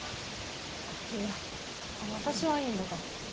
あっいや私はいいんだが。